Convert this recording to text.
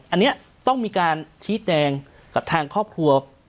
อันนี้ต้องมีการชี้แจงกับทางครอบครัว